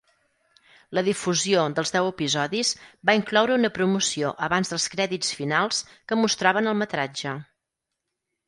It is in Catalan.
La difusió dels deu episodis va incloure una promoció abans dels crèdits finals que mostraven el metratge.